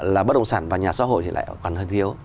là bất động sản và nhà xã hội thì lại còn hơn thiếu